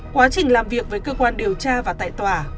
quá trình làm việc với cơ quan điều tra và tại tòa